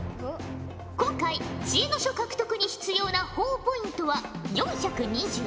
今回知恵の書獲得に必要なほぉポイントは４２０。